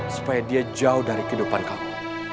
supaya dia jauh dari kehidupan kamu